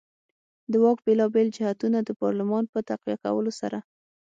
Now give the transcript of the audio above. د واک بېلابېل جهتونه د پارلمان په تقویه کولو سره.